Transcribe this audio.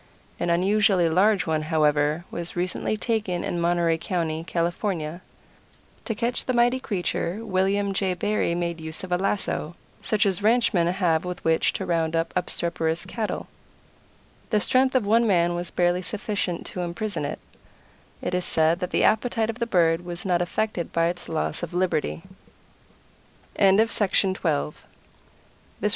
An unusually large one, however, was recently taken in Monterey County, California. To catch the mighty creature William J. Barry made use of a lasso, such as ranchmen have with which to round up obstreperous cattle. The strength of one man was barely sufficient to imprison it. It is said that the appetite of the bird was not affected by its loss of liberty. [Illustration: From col. F. M. Woodruff. CALIFORNIA VULTURE. 1/5 Life size.